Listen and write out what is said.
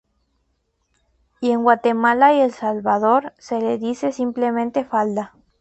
Y en Guatemala y El Salvador se le dice simplemente falda.